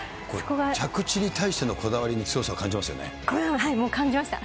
着地に対してのこだわりの強もう感じました。